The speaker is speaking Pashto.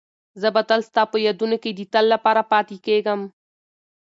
زه به تل ستا په یادونو کې د تل لپاره پاتې کېږم.